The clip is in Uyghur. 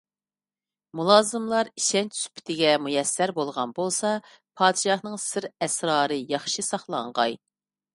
مۇلازىملار ئىشەنچ سۈپىتىگە مۇيەسسەر بولغان بولسا، پادىشاھنىڭ سىر - ئەسرارى ياخشى ساقلانغاي.